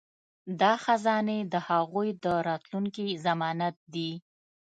دا خزانې د هغوی د راتلونکي ضمانت دي.